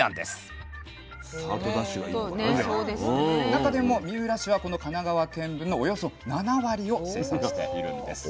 中でも三浦市はこの神奈川県分のおよそ７割を生産しているんです。